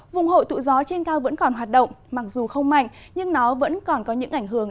vùng hội tụ gió trên cao vẫn còn hoạt động mặc dù không mạnh nhưng nó vẫn còn có những ảnh hưởng